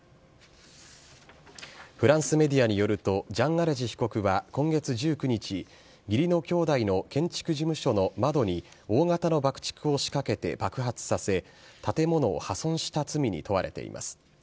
フランスメディアによると、ジャン・アレジ被告は今月１９日、義理の兄弟の建築事務所の窓に大型の爆竹を仕掛けて爆発させ、建物を破損した罪に問われています。